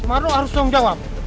mas marmo harus tanggung jawab